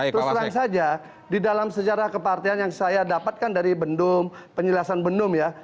terus terang saja di dalam sejarah kepartian yang saya dapatkan dari bendum penjelasan bendum ya